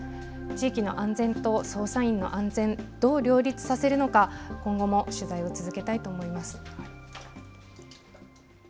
地域の安全と操作員の安全、どう両立させるのか今後も取材を続けたいと思います。